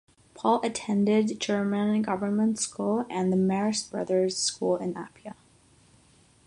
Paul attended German Government School and the Marist Brothers school in Apia.